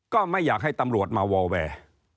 ก็ไม่อยากให้ตำรวจมาวอลแวร์